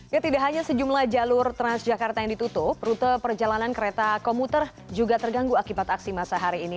ya tidak hanya sejumlah jalur transjakarta yang ditutup rute perjalanan kereta komuter juga terganggu akibat aksi masa hari ini